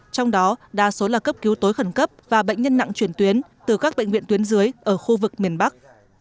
trong đó đa số là cấp cứu tối khẩn cấp và bệnh nhân nặng chuyển tuyến từ các bệnh viện tuyến dưới ở khu vực miền bắc